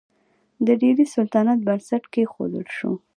د ډیلي سلطنت بنسټ کیښودل شو.